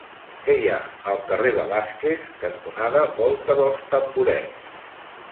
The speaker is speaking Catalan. Què hi ha al carrer Velázquez cantonada Volta dels Tamborets?